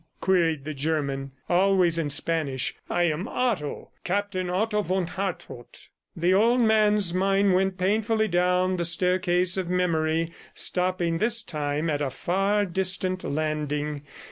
queried the German, always in Spanish. "I am Otto. ... Captain Otto von Hartrott." The old man's mind went painfully down the staircase of memory, stopping this time at a far distant landing.